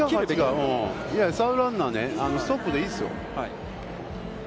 サードランナーはストップでいいですよ。